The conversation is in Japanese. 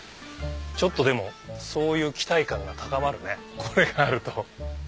ちょっとでもそういう期待感が高まるねこれがあると。